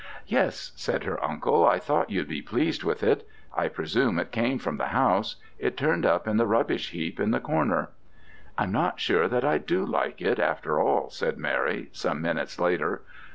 "Yes," said her uncle, "I thought you'd be pleased with it. I presume it came from the house: it turned up in the rubbish heap in the corner." "I'm not sure that I do like it, after all," said Mary, some minutes later.